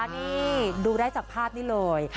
นี่ดูได้จากภาพนี้เลย